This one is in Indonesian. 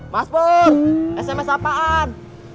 mas pur sms apaan